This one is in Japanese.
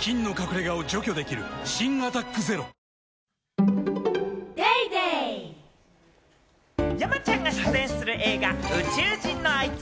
菌の隠れ家を除去できる新「アタックＺＥＲＯ」山ちゃんが出演する映画『宇宙人のあいつ』。